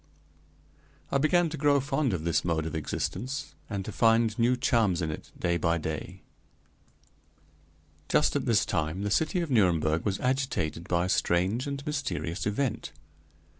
I began to grow fond of this mode of existence, and to find new charms in it day by day. Just at this time the city of Nuremberg was agitated by a strange and mysterious event.